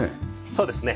そうですね。